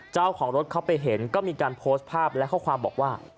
เจ้าของรถเขาไปเห็นก็มีการโพสต์ภาพและข้อความบอกว่า